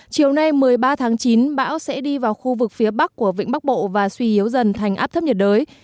chiều nay một mươi ba tháng chín bão sẽ đi vào khu vực phía bắc của vĩnh bắc bộ và suy yếu dần thành áp thấp nhiệt đới